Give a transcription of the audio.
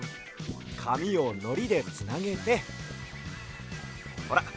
かみをのりでつなげてほら